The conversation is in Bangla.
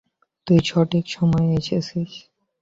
তুই সঠিক সময়ে এসেছিস।